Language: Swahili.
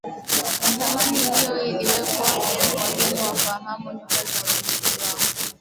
Ramani hiyo iliwekwa wageni wafahamu nyumba za wenyeji wao